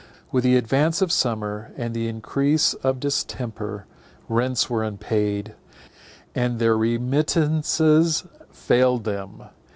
With the advance of summer, and the increase of the distemper, rents were unpaid, and their remittances failed them.